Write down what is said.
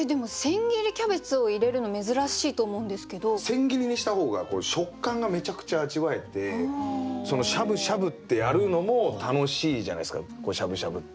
千切りにした方が食感がめちゃくちゃ味わえてしゃぶしゃぶってやるのも楽しいじゃないですかしゃぶしゃぶって。